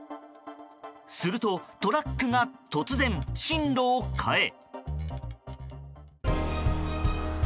すると、トラックが突然進路を変え。